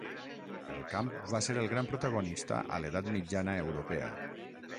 El camp va ser el gran protagonista a l'Edat Mitjana europea.